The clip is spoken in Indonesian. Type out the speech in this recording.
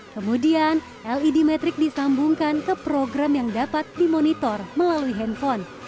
kemudian led metric disambungkan ke program yang dapat dimonitor melalui handphone